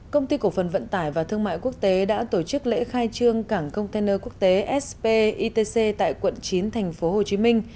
công ty cổ phần vận tải và thương mại quốc tế đã tổ chức lễ khai trương cảng container quốc tế sp itc tại quận chín tp hcm